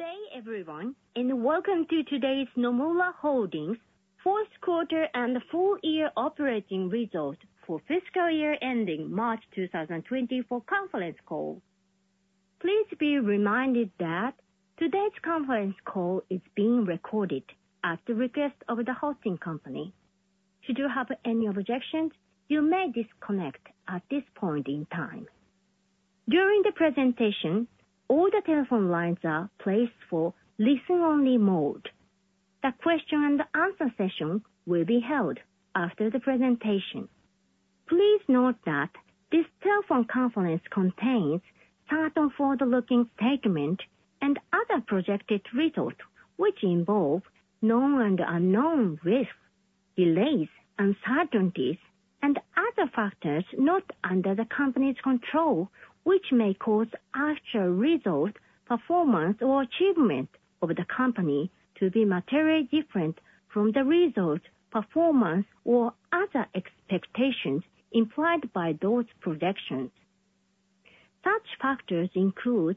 Good day, everyone, and welcome to today's Nomura Holdings fourth quarter and full year operating results for fiscal year ending March 2024 conference call. Please be reminded that today's conference call is being recorded at the request of the hosting company. Should you have any objections, you may disconnect at this point in time. During the presentation, all the telephone lines are placed for listen-only mode. The question and answer session will be held after the presentation. Please note that this telephone conference contains certain forward-looking statement and other projected results, which involve known and unknown risks, delays, uncertainties, and other factors not under the company's control, which may cause actual results, performance, or achievement of the company to be materially different from the results, performance, or other expectations implied by those projections. Such factors include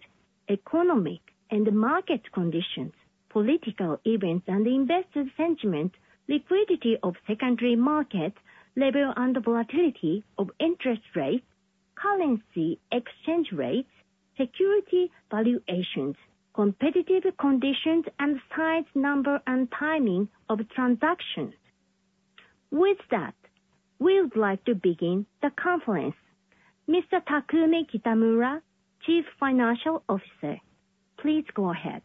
economic and market conditions, political events and investor sentiment, liquidity of secondary markets, level and volatility of interest rates, currency exchange rates, security valuations, competitive conditions, and size, number, and timing of transactions. With that, we would like to begin the conference. Mr. Takumi Kitamura, Chief Financial Officer, please go ahead.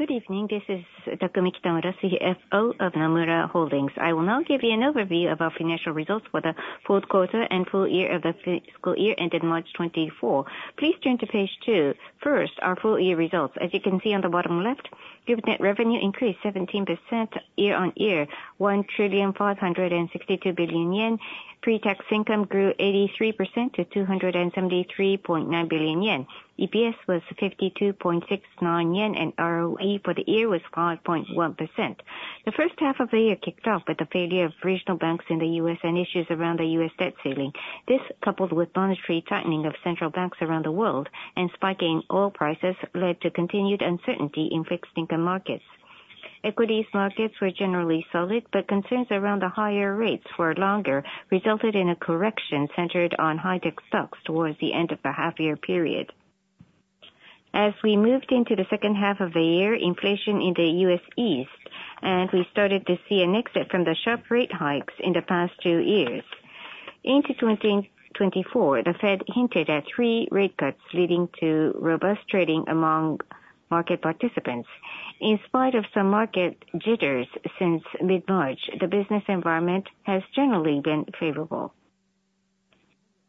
Good evening. This is Takumi Kitamura, CFO of Nomura Holdings. I will now give you an overview of our financial results for the fourth quarter and full year of the fiscal year ended March 2024. Please turn to page 2. First, our full year results. As you can see on the bottom left, Group net revenue increased 17% year-on-year, 1,562 billion yen. Pre-tax income grew 83% to 273.9 billion yen. EPS was 52.69 yen, and ROE for the year was 5.1%. The first half of the year kicked off with the failure of regional banks in the U.S. and issues around the U.S. debt ceiling. This, coupled with monetary tightening of central banks around the world and spiking oil prices, led to continued uncertainty in fixed income markets. Equities markets were generally solid, but concerns around the higher rates for longer resulted in a correction centered on high-tech stocks towards the end of the half-year period. As we moved into the second half of the year, inflation in the U.S. eased, and we started to see an exit from the sharp rate hikes in the past 2 years. Into 2024, the Fed hinted at 3 rate cuts, leading to robust trading among market participants. In spite of some market jitters since mid-March, the business environment has generally been favorable.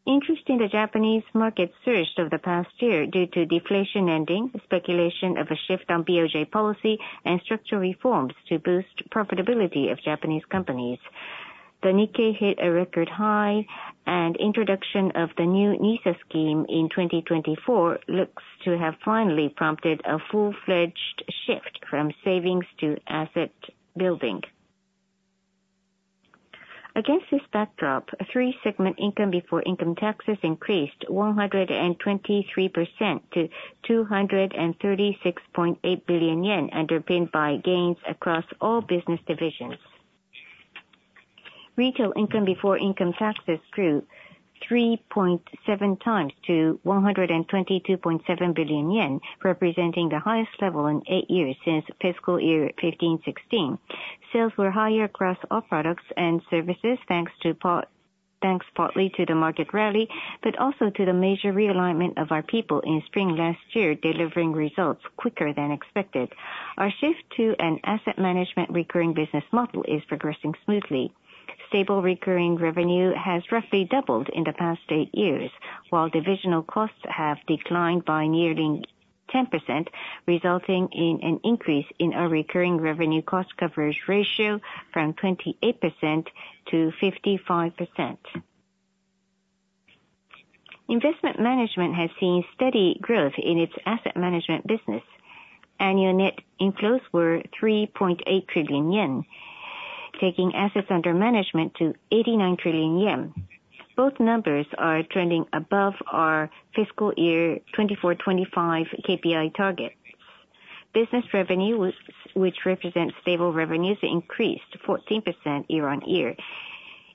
Interest in the Japanese market surged over the past year due to deflation ending, speculation of a shift on BOJ policy, and structural reforms to boost profitability of Japanese companies. The Nikkei hit a record high, and introduction of the new NISA scheme in 2024 looks to have finally prompted a full-fledged shift from savings to asset building. Against this backdrop, a three-segment income before income taxes increased 123% to 236.8 billion yen, underpinned by gains across all business divisions. Retail income before income taxes grew 3.7 times to 122.7 billion yen, representing the highest level in eight years since fiscal year 2015-16. Sales were higher across all products and services, thanks partly to the market rally, but also to the major realignment of our people in spring last year, delivering results quicker than expected. Our shift to an asset management recurring business model is progressing smoothly. Stable recurring revenue has roughly doubled in the past 8 years, while divisional costs have declined by nearly 10%, resulting in an increase in our recurring revenue cost coverage ratio from 28% to 55%. Investment management has seen steady growth in its asset management business. Annual net inflows were 3.8 trillion yen, taking assets under management to 89 trillion yen. Both numbers are trending above our fiscal year 2024/2025 KPI target. Business revenue, which represents stable revenues, increased 14% year-on-year.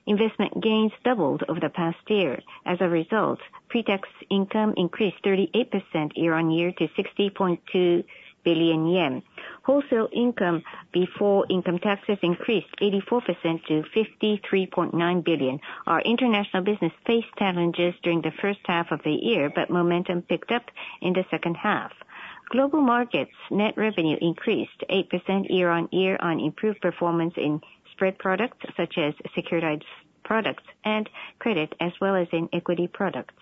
Investment gains doubled over the past year. As a result, pre-tax income increased 38% year-on-year to 60.2 billion yen. Wholesale income before income taxes increased 84% to 53.9 billion. Our international business faced challenges during the first half of the year, but momentum picked up in the second half. Global Markets net revenue increased 8% year-on-year on improved performance in spread products, such as securitized products and credit, as well as in equity products.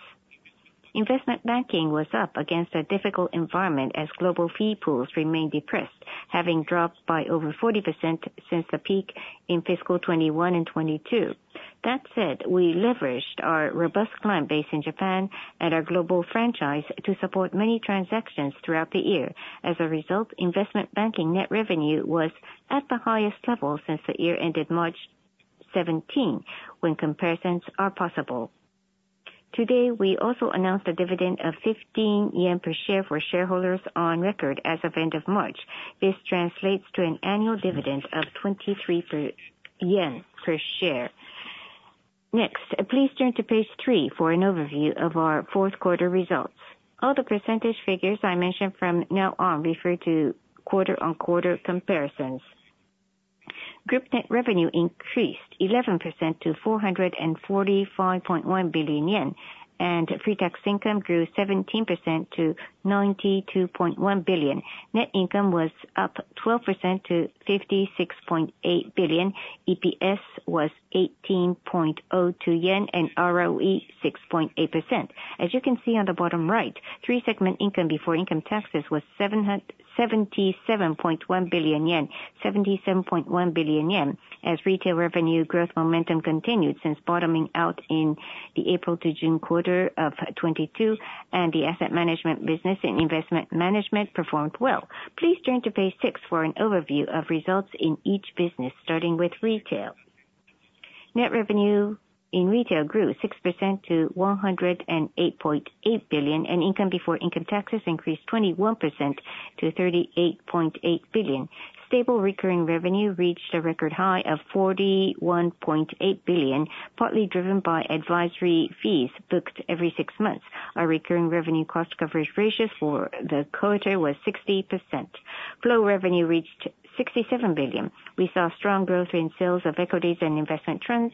Investment banking was up against a difficult environment as global fee pools remained depressed, having dropped by over 40% since the peak in fiscal 2021 and 2022. That said, we leveraged our robust client base in Japan and our global franchise to support many transactions throughout the year. As a result, investment banking net revenue was at the highest level since the year ended March 2017, when comparisons are possible. Today, we also announced a dividend of 15 yen per share for shareholders on record as of end of March. This translates to an annual dividend of 23 yen per share. Next, please turn to page 3 for an overview of our fourth quarter results. All the percentage figures I mention from now on refer to quarter-on-quarter comparisons. Group net revenue increased 11% to 445.1 billion yen, and pre-tax income grew 17% to 92.1 billion. Net income was up 12% to 56.8 billion. EPS was 18.02 yen, and ROE 6.8%. As you can see on the bottom right, three segment income before income taxes was 777.1 billion yen, 77.1 billion yen, as retail revenue growth momentum continued since bottoming out in the April to June quarter of 2022, and the asset management business and investment management performed well. Please turn to page 6 for an overview of results in each business, starting with retail. Net revenue in retail grew 6% to 108.8 billion, and income before income taxes increased 21% to 38.8 billion. Stable recurring revenue reached a record high of 41.8 billion, partly driven by advisory fees booked every 6 months. Our recurring revenue cost coverage ratio for the quarter was 60%. Flow revenue reached 67 billion. We saw strong growth in sales of equities and investment trends,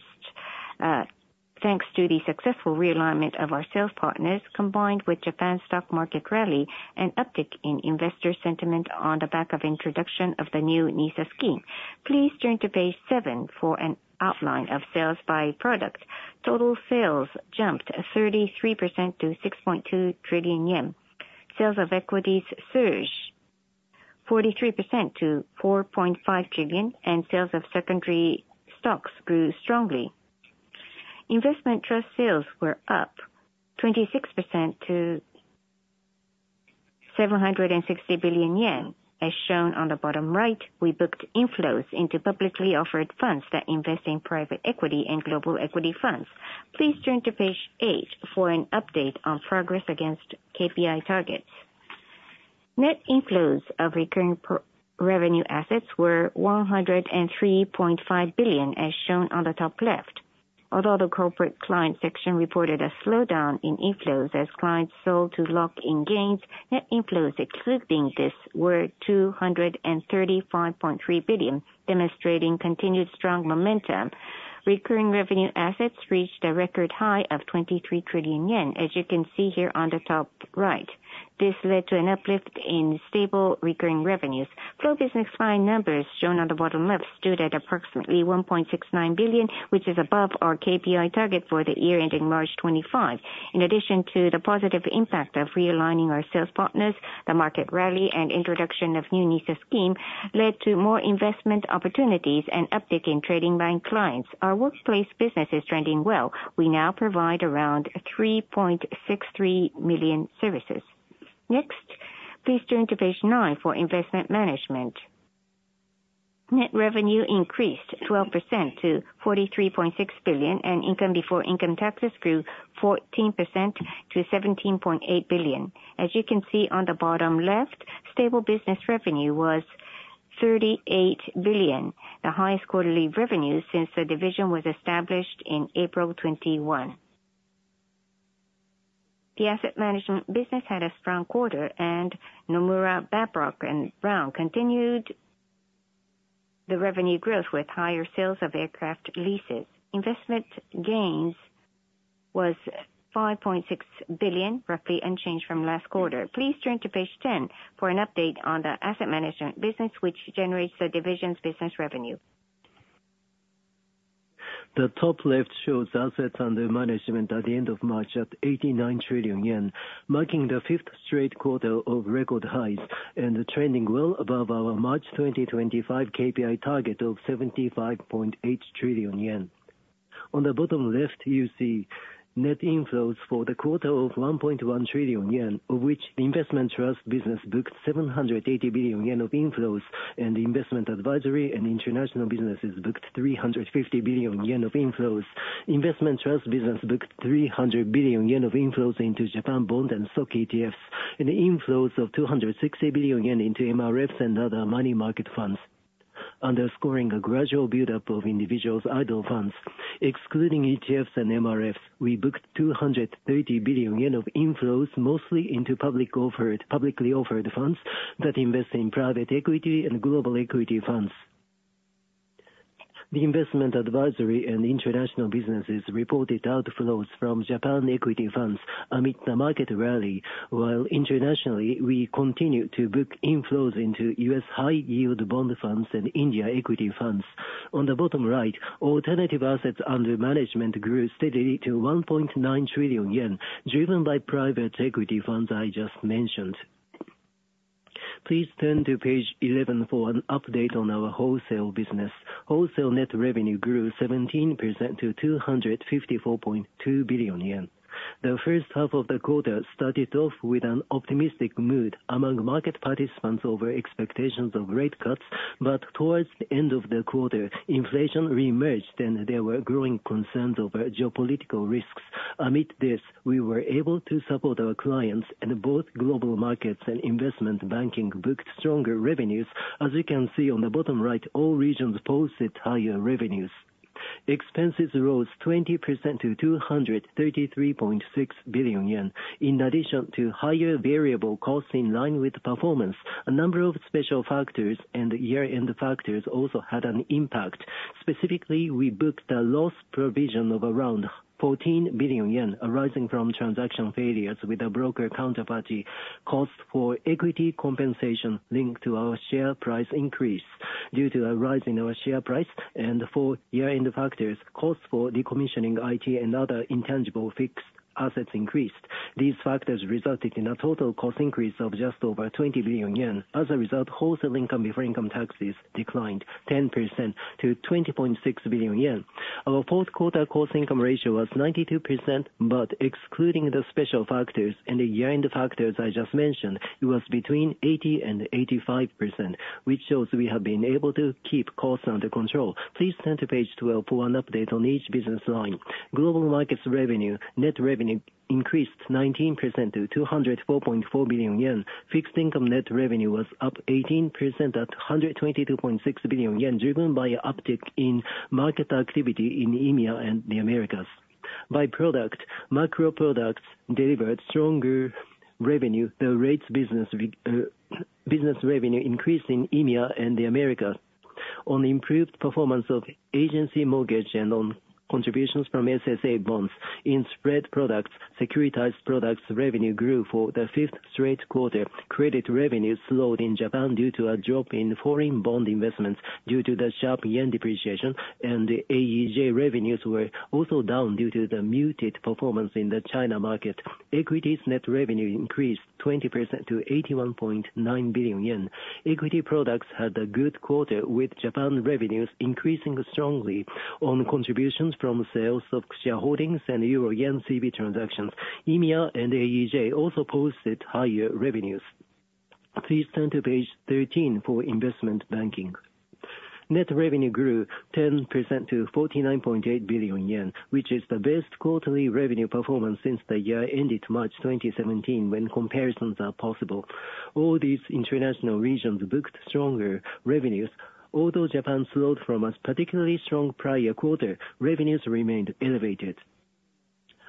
thanks to the successful realignment of our sales partners, combined with Japan's stock market rally and uptick in investor sentiment on the back of introduction of the new NISA scheme. Please turn to page 7 for an outline of sales by product. Total sales jumped 33% to 6.2 trillion yen. Sales of equities surged 43% to 4.5 trillion, and sales of secondary stocks grew strongly. Investment trust sales were up 26% to 760 billion yen. As shown on the bottom right, we booked inflows into publicly offered funds that invest in private equity and global equity funds. Please turn to page eight for an update on progress against KPI targets. Net inflows of recurring revenue assets were 103.5 billion, as shown on the top left. Although the corporate client section reported a slowdown in inflows as clients sold to lock in gains, net inflows excluding this were 235.3 billion, demonstrating continued strong momentum. Recurring revenue assets reached a record high of 23 trillion yen, as you can see here on the top right. This led to an uplift in stable recurring revenues. Flow business client numbers, shown on the bottom left, stood at approximately 1.69 billion, which is above our KPI target for the year ending March 2025. In addition to the positive impact of realigning our sales partners, the market rally and introduction of new NISA scheme led to more investment opportunities and uptick in trading bank clients. Our workplace business is trending well. We now provide around 3.63 million services. Next, please turn to page 9 for investment management. Net revenue increased 12% to 43.6 billion, and income before income taxes grew 14% to 17.8 billion. As you can see on the bottom left, stable business revenue was 38 billion, the highest quarterly revenue since the division was established in April 2021. The asset management business had a strong quarter, and Nomura, Babcock, and Brown continued the revenue growth with higher sales of aircraft leases. Investment gains was 5.6 billion, roughly unchanged from last quarter. Please turn to page 10 for an update on the asset management business, which generates the division's business revenue. The top left shows assets under management at the end of March at 89 trillion yen, marking the fifth straight quarter of record highs and trending well above our March 2025 KPI target of 75.8 trillion yen. On the bottom left, you see net inflows for the quarter of 1.1 trillion yen, of which the investment trust business booked 780 billion yen of inflows, and the investment advisory and international businesses booked 350 billion yen of inflows. Investment trust business booked 300 billion yen of inflows into Japan bond and stock ETFs, and the inflows of 260 billion yen into MRFs and other money market funds, underscoring a gradual buildup of individuals' idle funds. Excluding ETFs and MRFs, we booked 230 billion yen of inflows, mostly into public offered, publicly offered funds that invest in private equity and global equity funds. The investment advisory and international businesses reported outflows from Japan equity funds amid the market rally, while internationally, we continued to book inflows into US high-yield bond funds and India equity funds. On the bottom right, alternative assets under management grew steadily to 1.9 trillion yen, driven by private equity funds I just mentioned. Please turn to page 11 for an update on our wholesale business. Wholesale net revenue grew 17% to 254.2 billion yen. The first half of the quarter started off with an optimistic mood among market participants over expectations of rate cuts, but towards the end of the quarter, inflation reemerged, and there were growing concerns over geopolitical risks. Amid this, we were able to support our clients in both global markets and investment banking, booked stronger revenues. As you can see on the bottom right, all regions posted higher revenues. Expenses rose 20% to 233.6 billion yen. In addition to higher variable costs in line with performance, a number of special factors and year-end factors also had an impact. Specifically, we booked a loss provision of around 14 billion yen arising from transaction failures with a broker counterparty, cost for equity compensation linked to our share price increase due to a rise in our share price, and for year-end factors, costs for decommissioning IT and other intangible fixed assets increased. These factors resulted in a total cost increase of just over 20 billion yen. As a result, wholesale income before income taxes declined 10% to 20.6 billion yen. Our fourth quarter cost income ratio was 92%, but excluding the special factors and the year-end factors I just mentioned, it was between 80% and 85%, which shows we have been able to keep costs under control. Please turn to page 12 for an update on each business line. Global markets revenue, net revenue increased 19% to 204.4 billion yen. Fixed income net revenue was up 18% at 122.6 billion yen, driven by uptick in market activity in EMEA and the Americas. By product, macro products delivered stronger revenue. The rates business revenue increased in EMEA and the Americas on improved performance of agency mortgage and on contributions from SSA bonds. In spread products, securitized products revenue grew for the fifth straight quarter. Credit revenues slowed in Japan due to a drop in foreign bond investments due to the sharp yen depreciation and AEJ revenues were also down due to the muted performance in the China market. Equities net revenue increased 20% to 81.9 billion yen. Equity products had a good quarter, with Japan revenues increasing strongly on contributions from sales of shareholdings and euro yen CB transactions. EMEA and AEJ also posted higher revenues. Please turn to page 13 for investment banking. Net revenue grew 10% to 49.8 billion yen, which is the best quarterly revenue performance since the year ended March 2017 when comparisons are possible. All these international regions booked stronger revenues. Although Japan slowed from a particularly strong prior quarter, revenues remained elevated.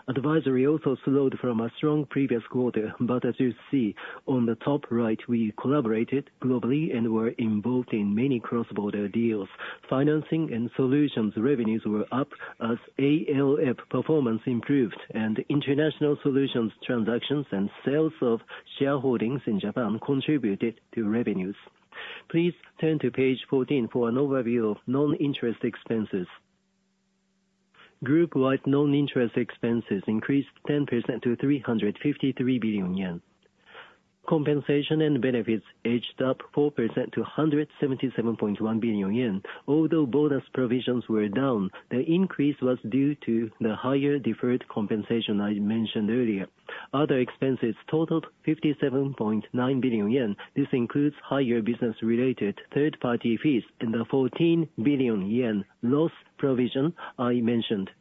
Advisory also slowed from a strong previous quarter, but as you see on the top right, we collaborated globally and were involved in many cross-border deals. Financing and solutions revenues were up as ALF performance improved and international solutions transactions and sales of shareholdings in Japan contributed to revenues. Please turn to page 14 for an overview of non-interest expenses. Group-wide non-interest expenses increased 10% to 353 billion yen. Compensation and benefits edged up 4% to 177.1 billion yen. Although bonus provisions were down, the increase was due to the higher deferred compensation I mentioned earlier. Other expenses totaled 57.9 billion yen. This includes higher business-related third-party fees and the 14 billion yen loss provision I mentioned.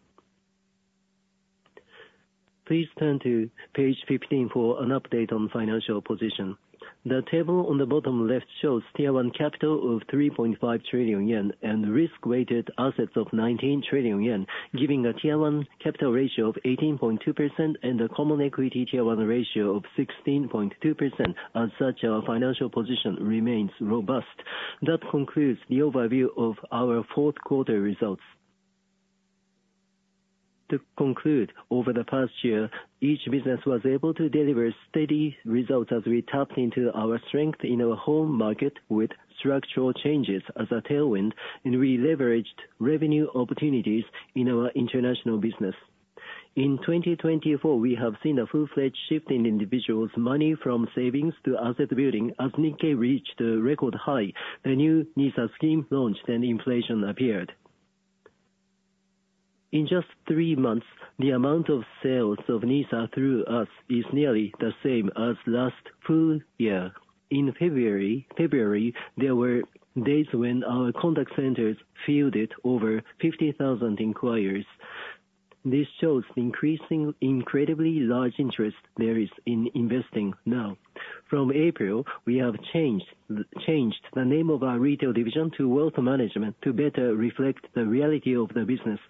Please turn to page 15 for an update on financial position. The table on the bottom left shows Tier 1 capital of 3.5 trillion yen and risk-weighted assets of 19 trillion yen, giving a Tier 1 capital ratio of 18.2% and a common equity Tier 1 ratio of 16.2%. As such, our financial position remains robust. That concludes the overview of our fourth quarter results. To conclude, over the past year, each business was able to deliver steady results as we tapped into our strength in our home market with structural changes as a tailwind, and we leveraged revenue opportunities in our international business. In 2024, we have seen a full-fledged shift in individuals' money from savings to asset building as Nikkei reached a record high, a new NISA scheme launched, and inflation appeared. In just three months, the amount of sales of NISA through us is nearly the same as last full year. In February, there were days when our contact centers fielded over 50,000 inquiries. This shows increasing incredibly large interest there is in investing now. From April, we have changed the name of our retail division to Wealth Management to better reflect the reality of the business.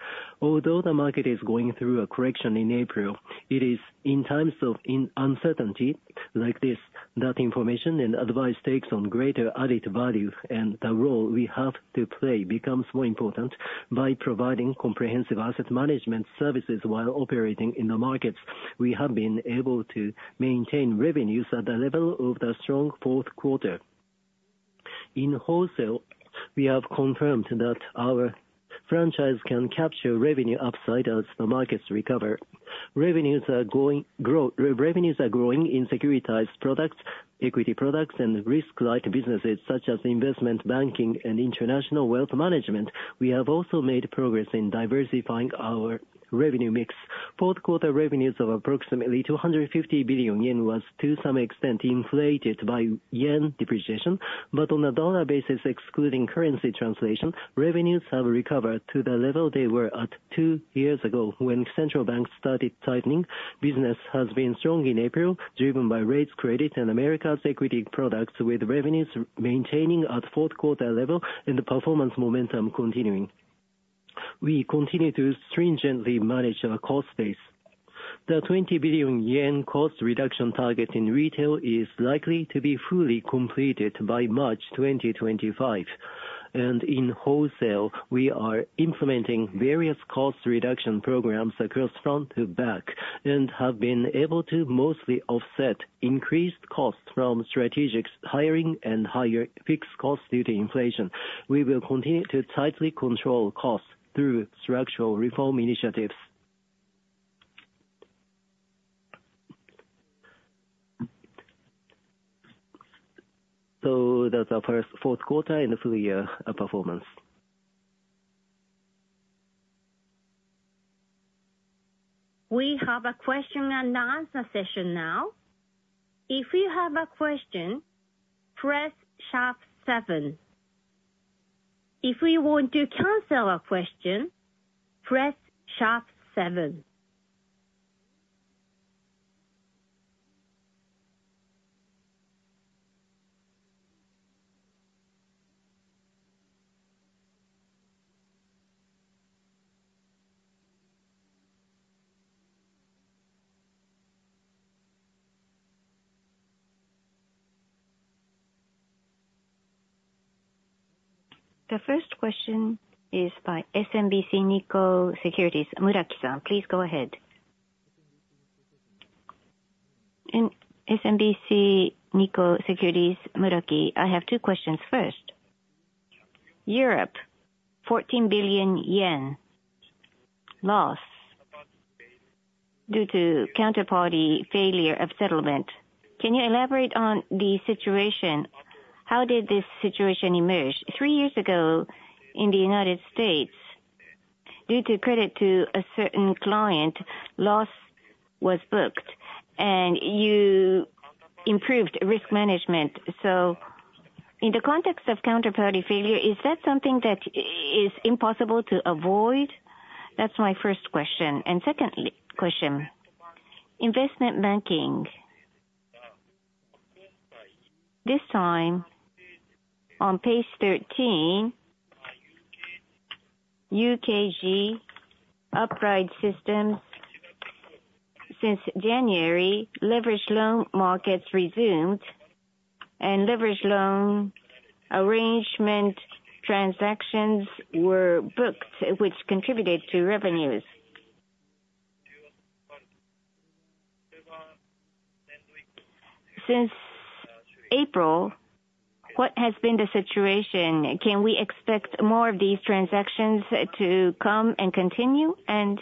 Although the market is going through a correction in April, it is in times of uncertainty like this, that information and advice takes on greater added value, and the role we have to play becomes more important. By providing comprehensive asset management services while operating in the markets, we have been able to maintain revenues at the level of the strong fourth quarter. In Wholesale, we have confirmed that our franchise can capture revenue upside as the markets recover. Revenues are growing in securitized products, equity products, and risk-like businesses such as investment banking and international wealth management. We have also made progress in diversifying our revenue mix.... fourth quarter revenues of approximately 250 billion yen was to some extent inflated by yen depreciation, but on a dollar basis, excluding currency translation, revenues have recovered to the level they were at 2 years ago when central banks started tightening. Business has been strong in April, driven by rates, credit and Americas equity products, with revenues maintaining at fourth quarter level and the performance momentum continuing. We continue to stringently manage our cost base. The 20 billion yen cost reduction target in retail is likely to be fully completed by March 2025, and in wholesale, we are implementing various cost reduction programs across front to back, and have been able to mostly offset increased costs from strategic hiring and higher fixed costs due to inflation. We will continue to tightly control costs through structural reform initiatives. That's our first fourth quarter and the full year performance. We have a question and answer session now. If you have a question, press sharp seven. If you want to cancel a question, press sharp seven. The first question is by SMBC Nikko Securities, Muraki-san, please go ahead. In SMBC Nikko Securities, Muraki. I have two questions. First, Europe, JPY 14 billion loss due to counterparty failure of settlement. Can you elaborate on the situation? How did this situation emerge? Three years ago in the United States, due to credit to a certain client, loss was booked and you improved risk management. So in the context of counterparty failure, is that something that is impossible to avoid? That's my first question. And second question, investment banking. This time, on page 13, UKG, since January, leveraged loan markets resumed and leveraged loan arrangement transactions were booked, which contributed to revenues. Since April, what has been the situation? Can we expect more of these transactions to come and continue? And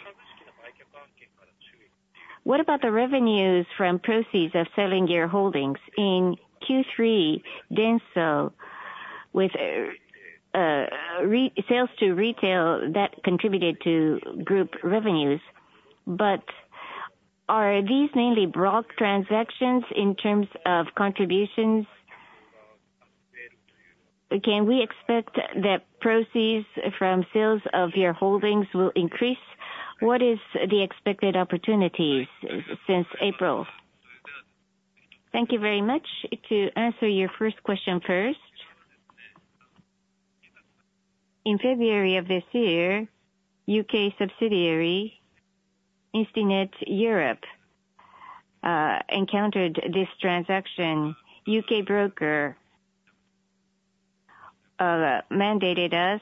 what about the revenues from proceeds of selling your holdings? In Q3, DENSO, with resales to retail, that contributed to group revenues. But are these mainly broad transactions in terms of contributions? Can we expect that proceeds from sales of your holdings will increase? What is the expected opportunities since April? Thank you very much. To answer your first question first. In February of this year, UK subsidiary, Instinet Europe, encountered this transaction. UK broker mandated us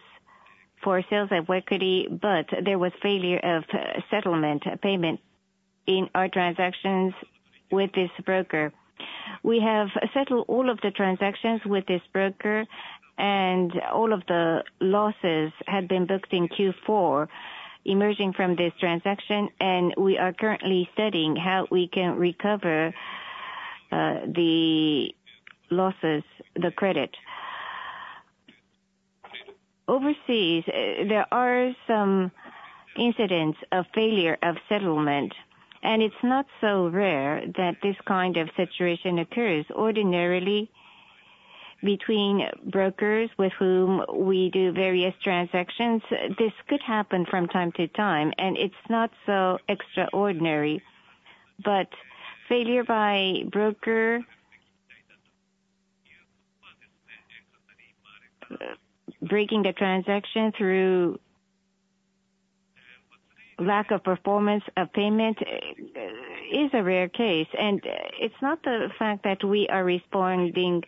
for sales of equity, but there was failure of settlement payment in our transactions with this broker. We have settled all of the transactions with this broker, and all of the losses had been booked in Q4, emerging from this transaction, and we are currently studying how we can recover, the losses, the credit. Overseas, there are some incidents of failure of settlement, and it's not so rare that this kind of situation occurs ordinarily between brokers with whom we do various transactions. This could happen from time to time, and it's not so extraordinary. But failure by broker breaking the transaction through lack of performance of payment is a rare case, and it's not the fact that we are responding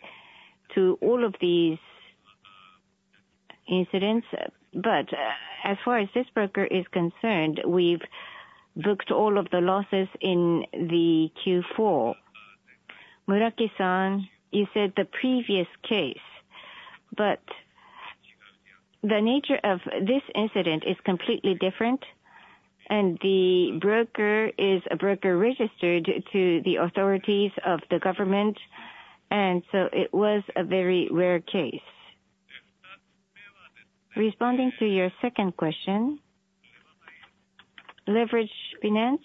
to all of these incidents. But as far as this broker is concerned, we've booked all of the losses in the Q4. Muraki-san, you said the previous case, but the nature of this incident is completely different, and the broker is a broker registered to the authorities of the government, and so it was a very rare case. Responding to your second question, leverage finance.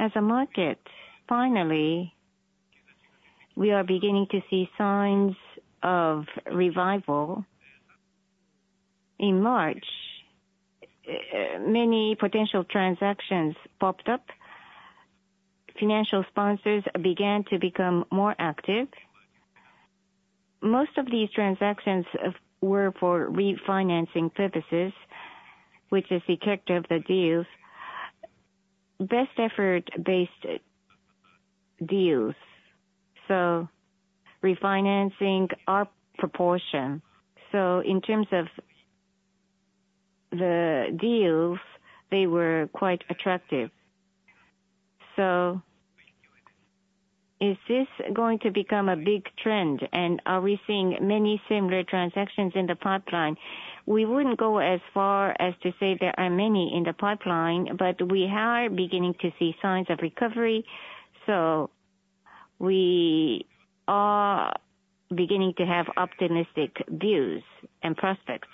As a market, finally, we are beginning to see signs of revival. In March, many potential transactions popped up. Financial sponsors began to become more active. Most of these transactions were for refinancing purposes, which is the character of the deals, best effort-based deals, so refinancing our proportion. So in terms of the deals, they were quite attractive. So is this going to become a big trend, and are we seeing many similar transactions in the pipeline? We wouldn't go as far as to say there are many in the pipeline, but we are beginning to see signs of recovery, so we are beginning to have optimistic views and prospects.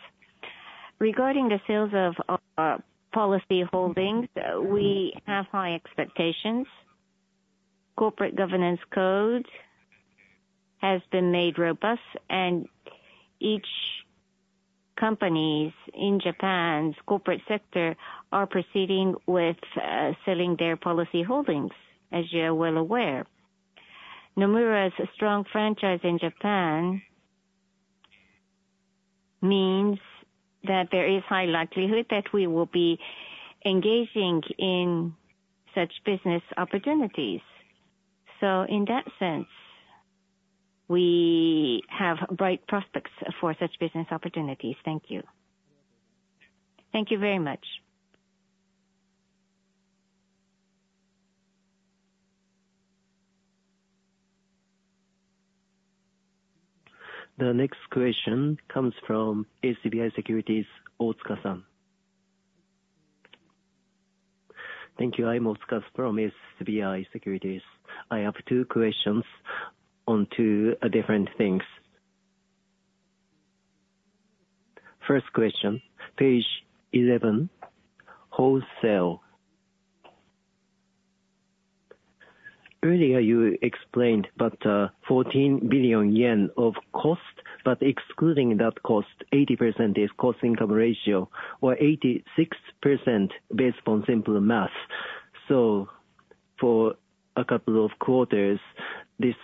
Regarding the sales of our policy holdings, we have high expectations. Corporate governance code has been made robust, and each companies in Japan's corporate sector are proceeding with selling their policy holdings, as you are well aware. Nomura's strong franchise in Japan means that there is high likelihood that we will be engaging in such business opportunities. So in that sense, we have bright prospects for such business opportunities. Thank you. Thank you very much. The next question comes from SBI Securities, Otsuka-san. Thank you. I'm Otsuka from SBI Securities. I have two questions on two different things. First question, page 11, wholesale. Earlier, you explained about 14 billion yen of cost, but excluding that cost, 80% is cost income ratio or 86% based on simple math. So for a couple of quarters, this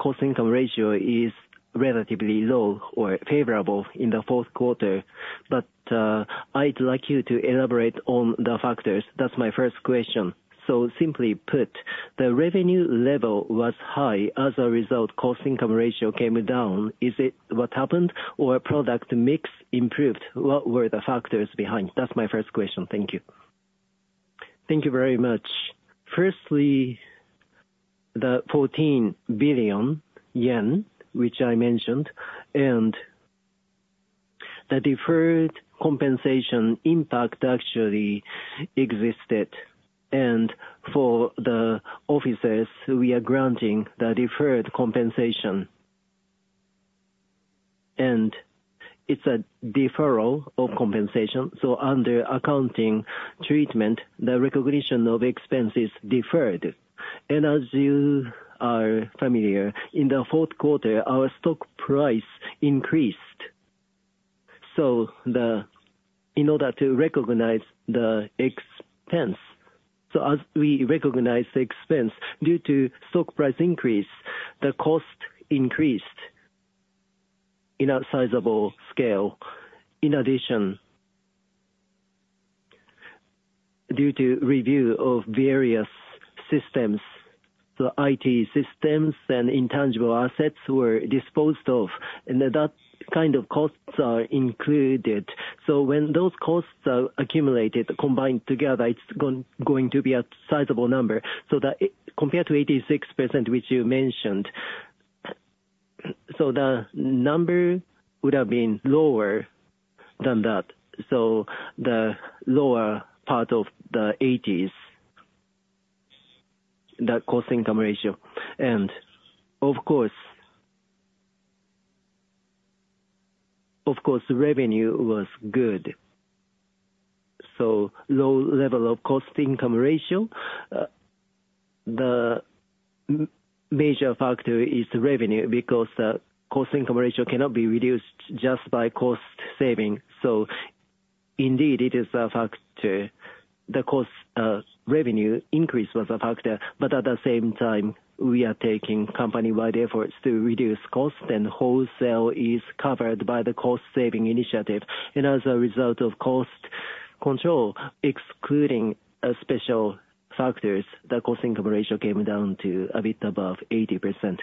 cost income ratio is relatively low or favorable in the fourth quarter. But I'd like you to elaborate on the factors. That's my first question. So simply put, the revenue level was high. As a result, cost income ratio came down. Is it what happened, or product mix improved? What were the factors behind? That's my first question. Thank you. Thank you very much. Firstly, the 14 billion yen, which I mentioned, and the deferred compensation impact actually existed. For the officers, we are granting the deferred compensation. It's a deferral of compensation, so under accounting treatment, the recognition of expense is deferred. As you are familiar, in the fourth quarter, our stock price increased. In order to recognize the expense, so as we recognize the expense, due to stock price increase, the cost increased in a sizable scale. In addition, due to review of various systems, the IT systems and intangible assets were disposed of, and that kind of costs are included. So when those costs are accumulated, combined together, it's going to be a sizable number. Compared to 86%, which you mentioned, so the number would have been lower than that, so the lower part of the 80s, the cost income ratio. Of course, of course, revenue was good. So low level of cost-income ratio, the major factor is the revenue, because cost-income ratio cannot be reduced just by cost saving. So indeed, it is a factor. The cost revenue increase was a factor, but at the same time, we are taking company-wide efforts to reduce cost, and wholesale is covered by the cost saving initiative. And as a result of cost control, excluding special factors, the cost-income ratio came down to a bit above 80%.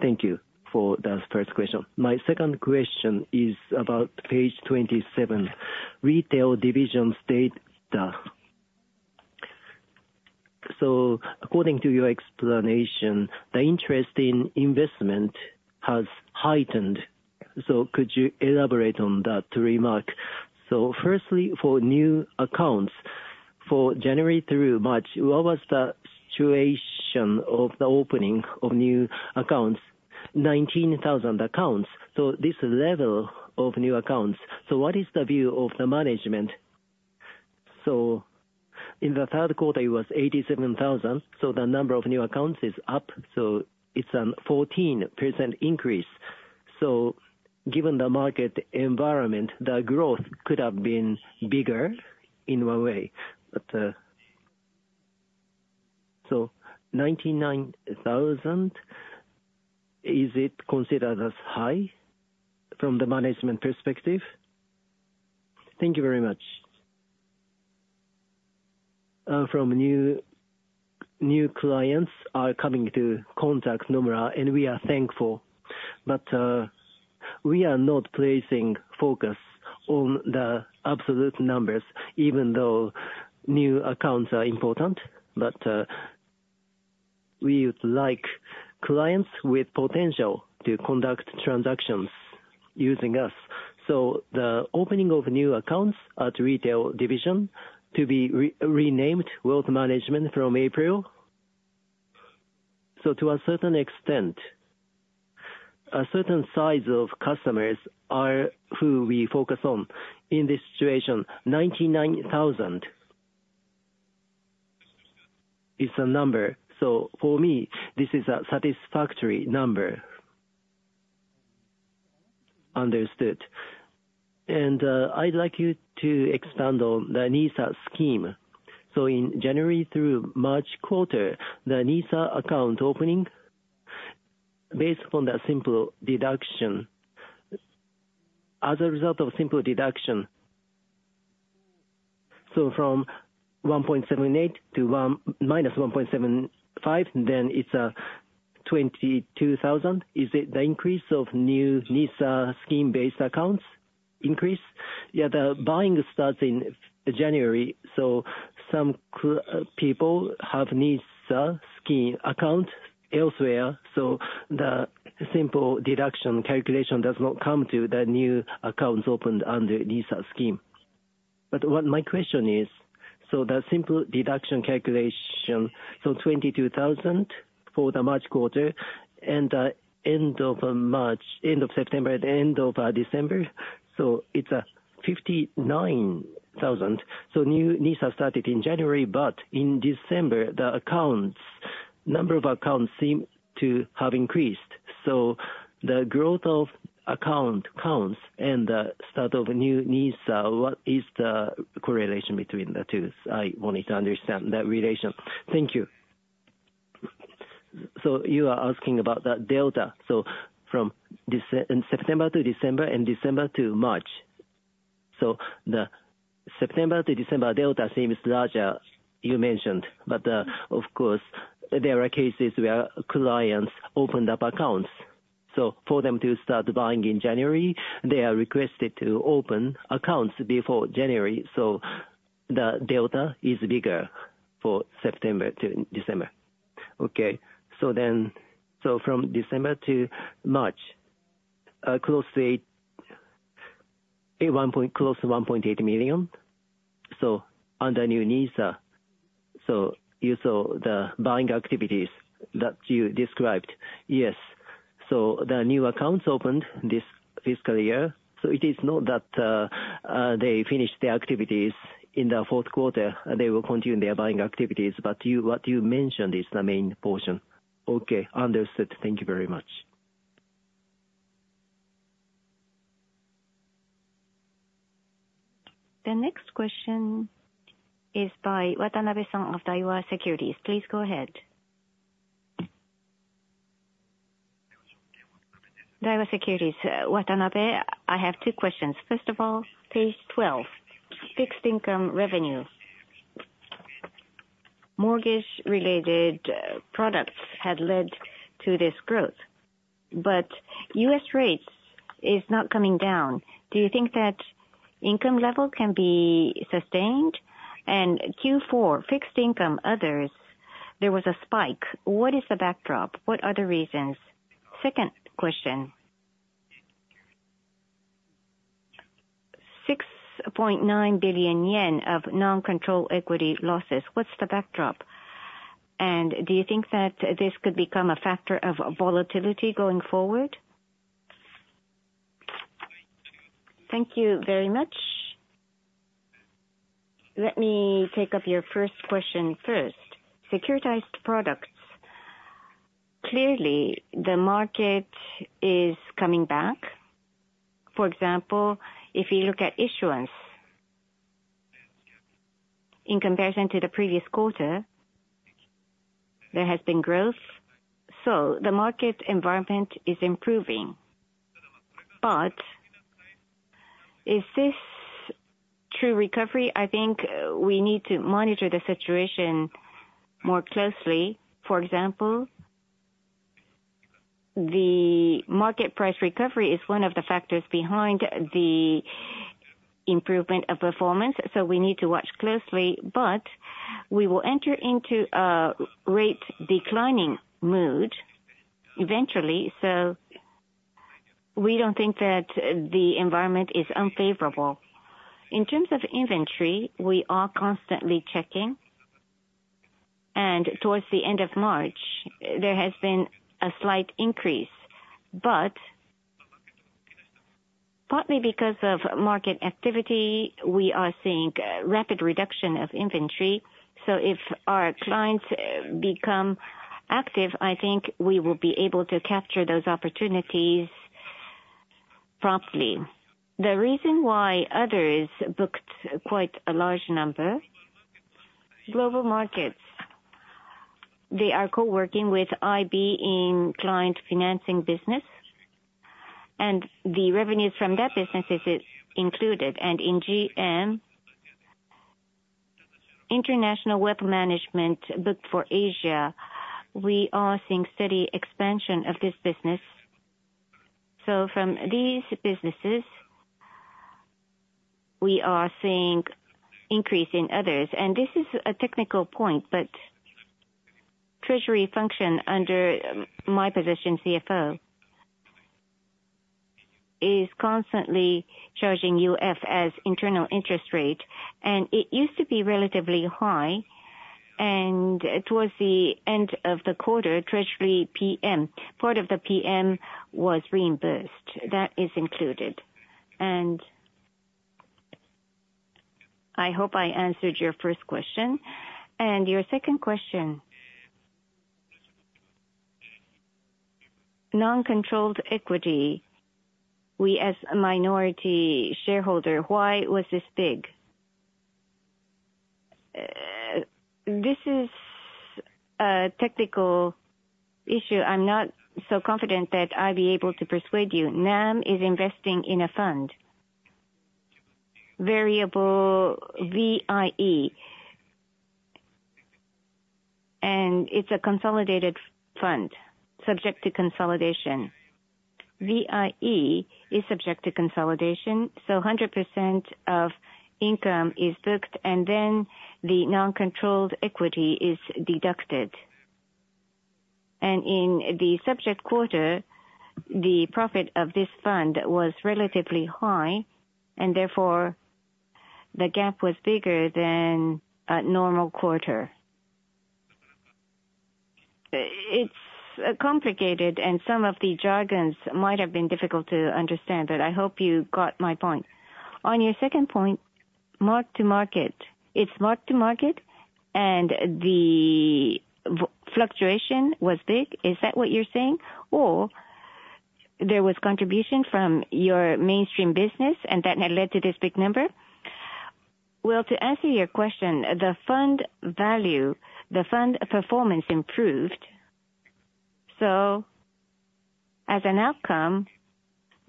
Thank you for the first question. My second question is about page 27, retail division data. So according to your explanation, the interest in investment has heightened. So could you elaborate on that remark? So firstly, for new accounts for January through March, what was the situation of the opening of new accounts? 19,000 accounts, so this level of new accounts, so what is the view of the management? So in the third quarter, it was 87,000, so the number of new accounts is up, so it's a 14% increase. So given the market environment, the growth could have been bigger in one way, but. So 99,000, is it considered as high from the management perspective? Thank you very much. From new, new clients are coming to contact Nomura, and we are thankful. But, we are not placing focus on the absolute numbers, even though new accounts are important. But, we would like clients with potential to conduct transactions using us. So the opening of new accounts at retail division to be renamed Wealth Management from April. So to a certain extent, a certain size of customers are who we focus on. In this situation, 99,000 is the number, so for me, this is a satisfactory number. Understood. And, I'd like you to expand on the NISA scheme. So in January through March quarter, the NISA account opening, based on the simple deduction, as a result of simple deduction, so from 1.78 to, minus 1.75, then it's, 22,000. Is it the increase of new NISA scheme-based accounts increase? Yeah, the buying starts in January, so some people have NISA scheme account elsewhere, so the simple deduction calculation does not come to the new accounts opened under NISA scheme. But what my question is, so the simple deduction calculation, so 22,000 for the March quarter and, end of March, end of September, the end of December, so it's, 59,000. New NISA started in January, but in December, the accounts, number of accounts seem to have increased. The growth of account counts and the start of new NISA, what is the correlation between the two? I wanted to understand that relation. Thank you. You are asking about the delta, from September to December and December to March. The September to December delta seems larger, you mentioned, but of course, there are cases where clients opened up accounts. For them to start buying in January, they are requested to open accounts before January, so the delta is bigger for September to December. Okay. Then, from December to March, close to 8, a 1 point, close to 1.8 million. Under new NISA, you saw the buying activities that you described. Yes. So the new accounts opened this fiscal year, so it is not that they finished their activities in the fourth quarter. They will continue their buying activities, but you, what you mentioned is the main portion. Okay, understood. Thank you very much. The next question is by Watanabe-san of Daiwa Securities. Please go ahead. Daiwa Securities, Watanabe. I have two questions. First of all, page 12, fixed income revenue. Mortgage-related products had led to this growth, but US rates is not coming down. Do you think that income level can be sustained? And Q4 fixed income, others, there was a spike. What is the backdrop? What are the reasons? Second question. 6.9 billion yen of non-controlled equity losses. What's the backdrop? And do you think that this could become a factor of volatility going forward? Thank you very much. Let me take up your first question first. Securitized products, clearly the market is coming back. For example, if you look at issuance, in comparison to the previous quarter, there has been growth, so the market environment is improving. But is this true recovery? I think we need to monitor the situation more closely. For example, the market price recovery is one of the factors behind the improvement of performance, so we need to watch closely. But we will enter into a rate declining mode eventually, so... ...We don't think that the environment is unfavorable. In terms of inventory, we are constantly checking, and towards the end of March, there has been a slight increase. But partly because of market activity, we are seeing rapid reduction of inventory, so if our clients become active, I think we will be able to capture those opportunities promptly. The reason why others booked quite a large number, Global Markets, they are co-working with IB in client financing business, and the revenues from that business is included. In GM, international wealth management booked for Asia, we are seeing steady expansion of this business. So from these businesses, we are seeing increase in others, and this is a technical point, but treasury function under my position, CFO, is constantly charging UF as internal interest rate, and it used to be relatively high. Towards the end of the quarter, treasury PM, part of the PM was reimbursed. That is included. I hope I answered your first question. Your second question, non-controlled equity, we as a minority shareholder, why was this big? This is a technical issue. I'm not so confident that I'd be able to persuade you. NAM is investing in a fund, VIE, and it's a consolidated fund subject to consolidation. VIE is subject to consolidation, so 100% of income is booked, and then the non-controlled equity is deducted. In the subject quarter, the profit of this fund was relatively high, and therefore, the gap was bigger than a normal quarter. It's complicated, and some of the jargons might have been difficult to understand, but I hope you got my point. On your second point, mark-to-market. It's mark-to-market, and the fluctuation was big. Is that what you're saying? Or there was contribution from your mainstream business and that now led to this big number? Well, to answer your question, the fund value, the fund performance improved, so as an outcome,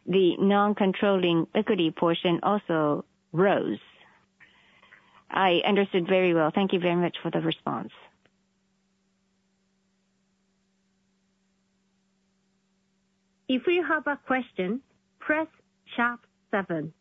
the non-controlling equity portion also rose. I understood very well. Thank you very much for the response. If you have a question, press sharp seven.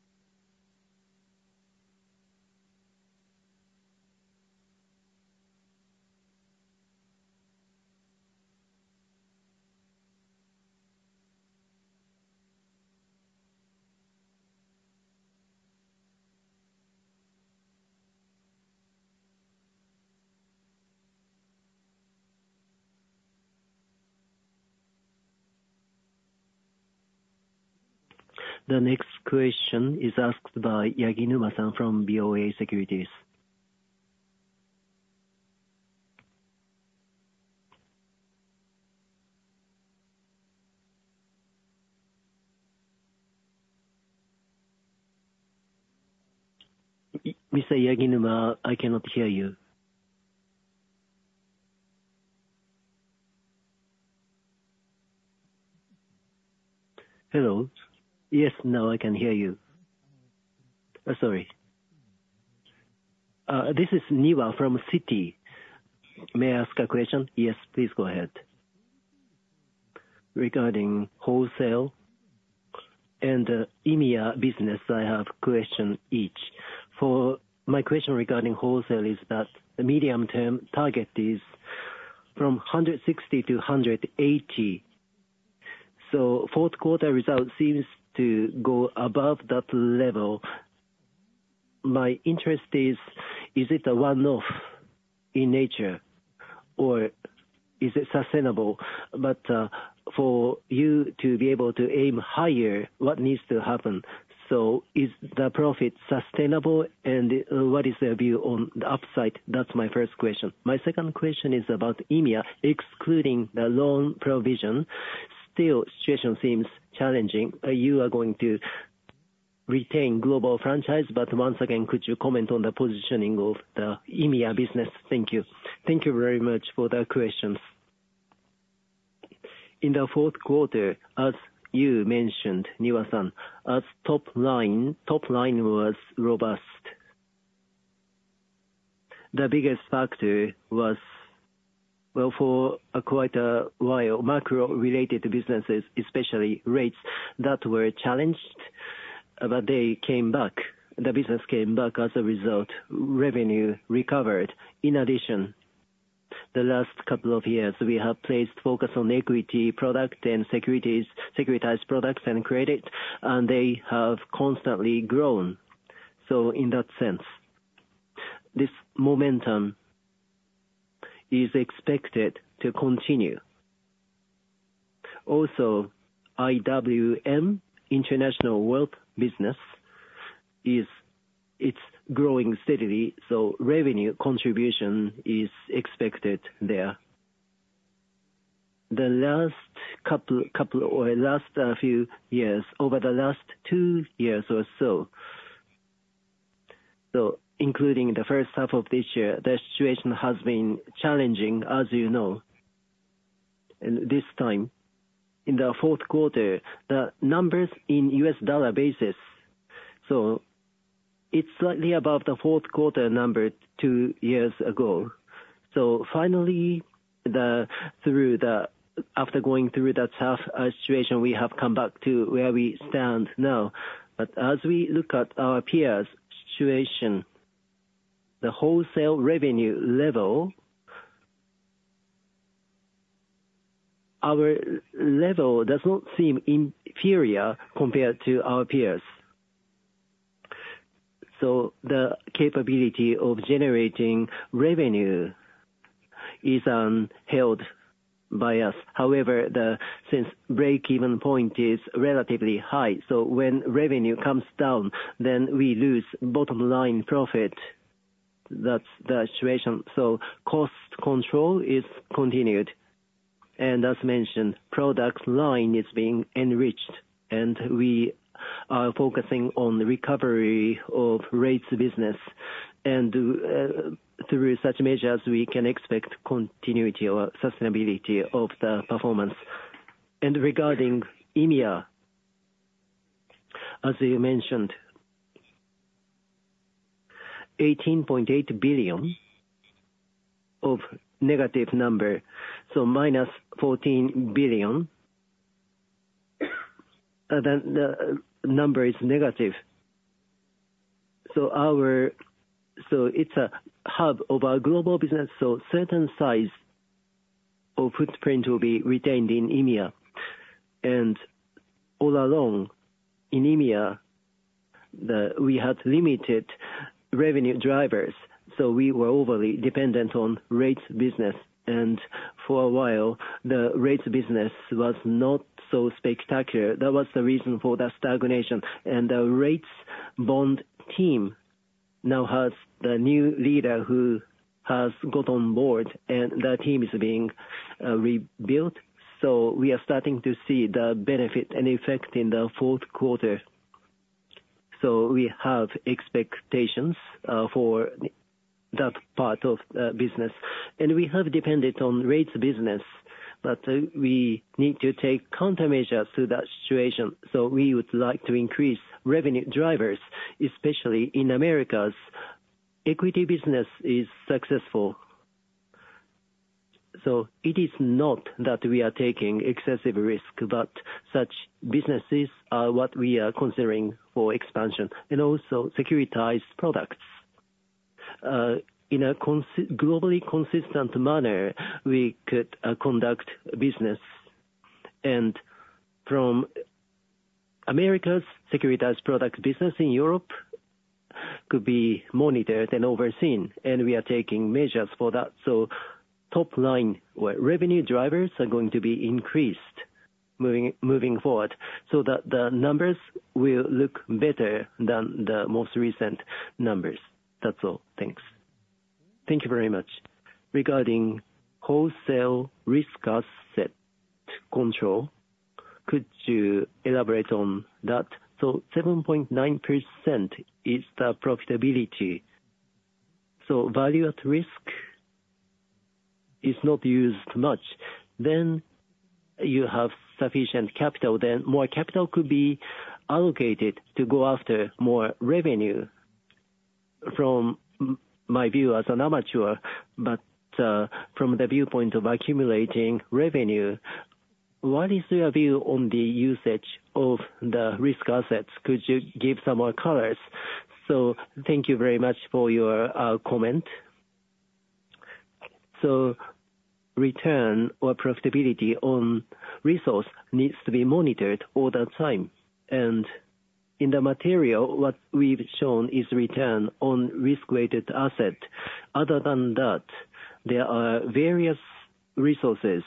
The next question is asked by Yaginuma-san from BofA Securities. Mr. Yaginuma, I cannot hear you. Hello. Yes, now I can hear you. Sorry. This is Niwa from Citi. May I ask a question? Yes, please go ahead. Regarding wholesale and EMEA business, I have question each. For my question regarding wholesale is that the medium-term target is from 160-180. So fourth quarter results seems to go above that level. My interest is, is it a one-off in nature, or is it sustainable? But, for you to be able to aim higher, what needs to happen? So is the profit sustainable, and, what is the view on the upside? That's my first question. My second question is about EMEA. Excluding the loan provision, still situation seems challenging. You are going to retain global franchise, but once again, could you comment on the positioning of the EMEA business? Thank you. Thank you very much for the questions. In the fourth quarter, as you mentioned, Niwa-san, as top line, top line was robust. The biggest factor was, well, for quite a while, macro-related businesses, especially rates that were challenged, but they came back, the business came back as a result, revenue recovered. In addition, the last couple of years, we have placed focus on equity product and securities, securitized products and credit, and they have constantly grown. So in that sense, this momentum is expected to continue. Also, IWM, International Wealth Business, is, it's growing steadily, so revenue contribution is expected there. The last couple or last few years, over the last 2 years or so, so including the first half of this year, the situation has been challenging, as you know. And this time, in the fourth quarter, the numbers in U.S. dollar basis, so it's slightly above the fourth quarter number 2 years ago. So finally, after going through that tough situation, we have come back to where we stand now. But as we look at our peers' situation, the wholesale revenue level, our level does not seem inferior compared to our peers. So the capability of generating revenue is held by us. However, since break-even point is relatively high, so when revenue comes down, then we lose bottom line profit. That's the situation. So cost control is continued, and as mentioned, product line is being enriched, and we are focusing on the recovery of rates business. And through such measures, we can expect continuity or sustainability of the performance. And regarding EMEA, as you mentioned, -18.8 billion, so -14 billion, the number is negative. So our, so it's a hub of our global business, so certain size or footprint will be retained in EMEA. And all along in EMEA, the, we had limited revenue drivers, so we were overly dependent on rates business. And for a while, the rates business was not so spectacular. That was the reason for the stagnation. And the rates bond team now has the new leader who has got on board, and the team is being rebuilt. So we are starting to see the benefit and effect in the fourth quarter. So we have expectations for that part of the business. And we have depended on rates business, but we need to take counter measures to that situation. So we would like to increase revenue drivers, especially in Americas. Equity business is successful. So it is not that we are taking excessive risk, but such businesses are what we are considering for expansion, and also securitized products. In a globally consistent manner, we could conduct business. And from Americas, securitized products business in Europe could be monitored and overseen, and we are taking measures for that. So top line, where revenue drivers are going to be increased moving forward, so that the numbers will look better than the most recent numbers. That's all. Thanks. Thank you very much. Regarding wholesale risk asset control, could you elaborate on that? So 7.9% is the profitability. So value at risk is not used much. Then you have sufficient capital, then more capital could be allocated to go after more revenue. From my view as an amateur, but, from the viewpoint of accumulating revenue, what is your view on the usage of the risk assets? Could you give some more colors? So thank you very much for your comment. So return or profitability on resource needs to be monitored all the time. And in the material, what we've shown is return on risk-weighted asset. Other than that, there are various resources,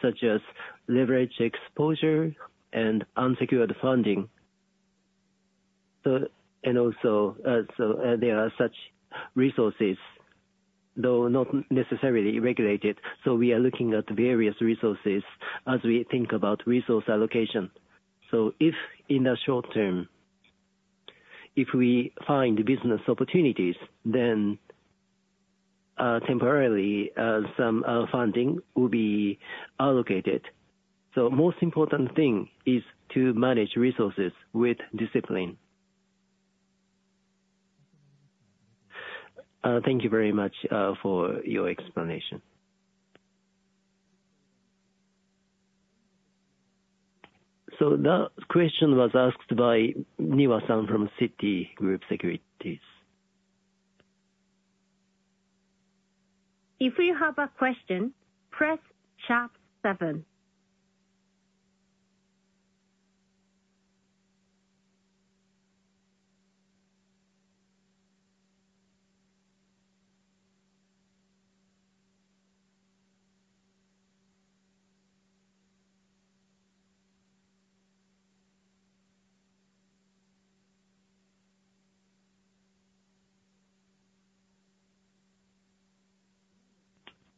such as leverage exposure and unsecured funding. And also, so, there are such resources, though not necessarily regulated. So we are looking at various resources as we think about resource allocation. So if in the short term, if we find business opportunities, then, temporarily, some funding will be allocated. So most important thing is to manage resources with discipline.... Thank you very much, for your explanation. So the question was asked by Niwa-san from Citigroup Securities. If you have a question, press sharp seven.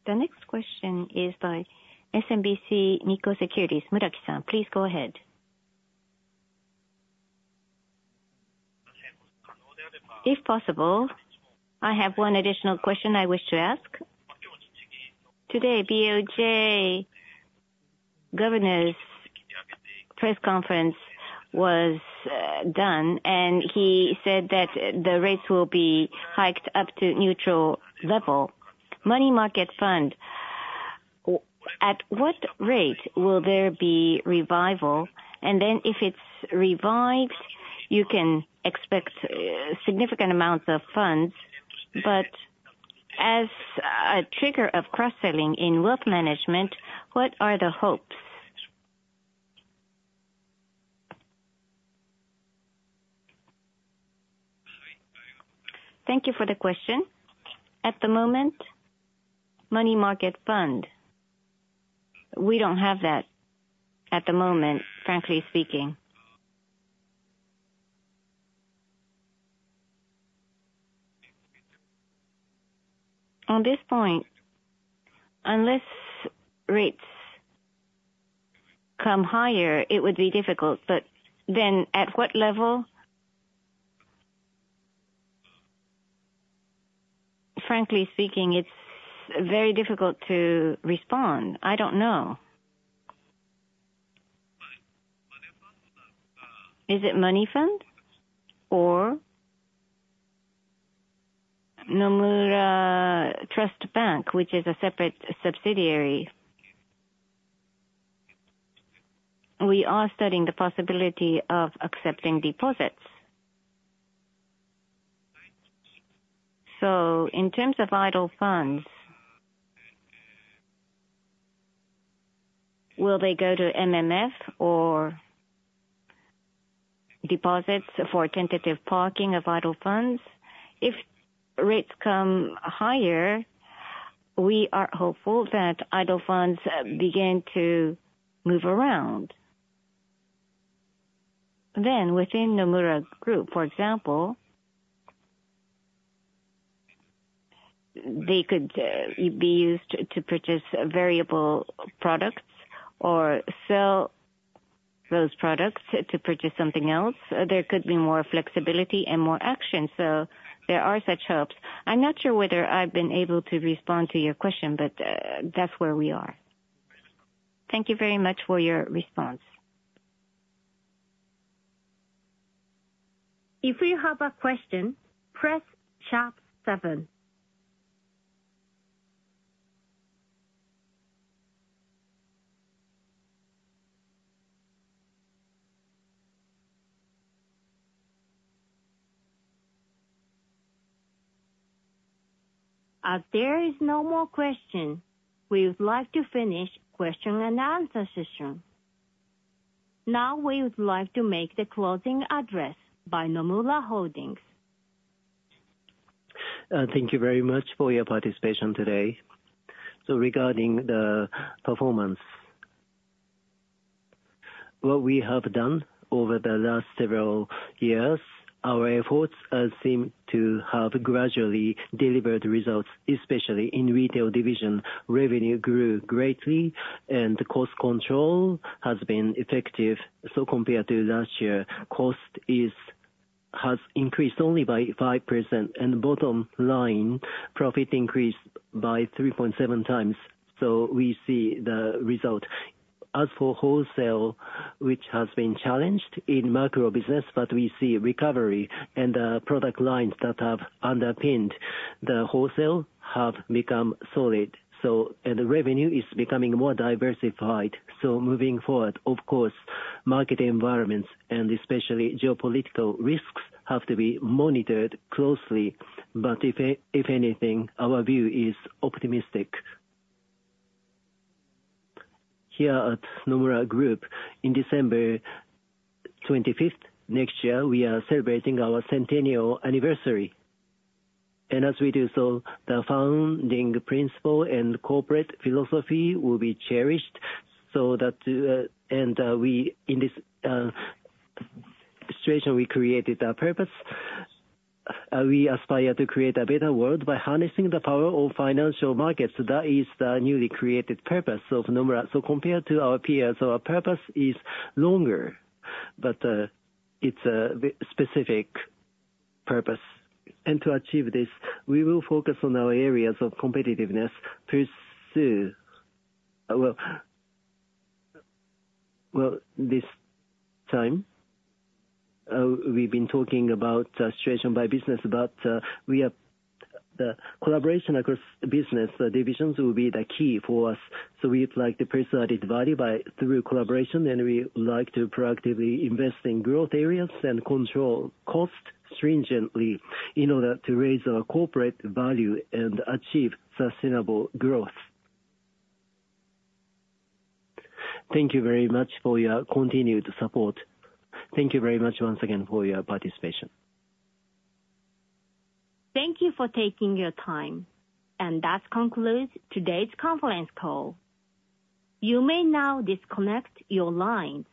The next question is by SMBC Nikko Securities, Muraki-san, please go ahead. If possible, I have one additional question I wish to ask. Today, BOJ governor's press conference was done, and he said that the rates will be hiked up to neutral level. Money market fund, at what rate will there be revival? And then if it's revived, you can expect significant amounts of funds, but as a trigger of cross-selling in wealth management, what are the hopes? Thank you for the question. At the moment, money market fund, we don't have that at the moment, frankly speaking. On this point, unless rates come higher, it would be difficult, but then at what level? Frankly speaking, it's very difficult to respond. I don't know. Is it money fund or? Nomura Trust Bank, which is a separate subsidiary, we are studying the possibility of accepting deposits. So in terms of idle funds, will they go to MMF or deposits for tentative parking of idle funds? If rates come higher, we are hopeful that idle funds begin to move around. Then within Nomura Group, for example, they could be used to purchase variable products or sell those products to purchase something else. There could be more flexibility and more action, so there are such hopes. I'm not sure whether I've been able to respond to your question, but that's where we are. Thank you very much for your response. If you have a question, press sharp seven. As there is no more question, we would like to finish question and answer session. Now, we would like to make the closing address by Nomura Holdings. Thank you very much for your participation today. So regarding the performance, what we have done over the last several years, our efforts, seem to have gradually delivered results, especially in retail division. Revenue grew greatly and cost control has been effective. So compared to last year, cost is, has increased only by 5%, and bottom line, profit increased by 3.7 times, so we see the result. As for wholesale, which has been challenged in macro business, but we see recovery and, product lines that have underpinned the wholesale have become solid, so, and the revenue is becoming more diversified. So moving forward, of course, market environments and especially geopolitical risks, have to be monitored closely. But if anything, our view is optimistic. Here at Nomura Group, in December 25th, next year, we are celebrating our centennial anniversary. As we do so, the founding principle and corporate philosophy will be cherished so that and we, in this situation, we created a purpose. We aspire to create a better world by harnessing the power of financial markets. That is the newly created purpose of Nomura. So compared to our peers, our purpose is longer, but, it's a specific purpose. And to achieve this, we will focus on our areas of competitiveness, pursue. Well, this time, we've been talking about the situation by business, but, we have, the collaboration across business divisions will be the key for us. So we'd like to pursue added value by through collaboration, and we would like to proactively invest in growth areas and control cost stringently in order to raise our corporate value and achieve sustainable growth. Thank you very much for your continued support. Thank you very much once again for your participation. Thank you for taking your time. That concludes today's conference call. You may now disconnect your lines.